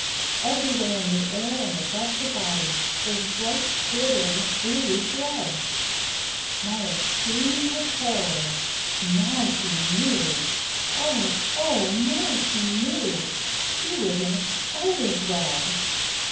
Everywhere in the air and above her body those bright, glittering, gluey threads! Maya screamed with horror. Now she knew! Oh oh, now she knew! She was in a spider's web.